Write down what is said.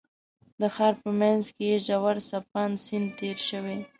د ښار په منځ کې یې ژور څپاند سیند تېر شوی.